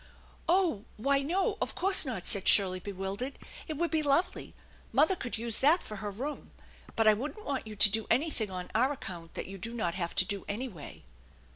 " Oh, why, no, of course not," said Shirley, bewildered. "It would be lovely. Mother could use that for her room, but I wouldn't want you to do anything on our account that you do not have to do anyway."